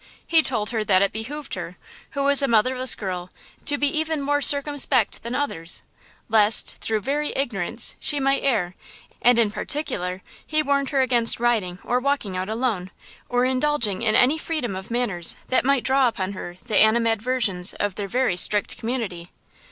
He told her that it behooved her, who was a motherless girl, to be even more circumpsect than others, lest, through very ignorance, she might err; and in particular he warned her against riding or walking out alone, or indulging in any freedom of manners that might draw upon her the animadversions of their very strict community.